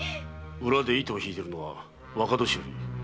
裏で糸を引いているのは若年寄の越智土佐守。